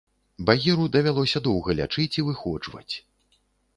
Багіру давялося доўга лячыць і выходжваць.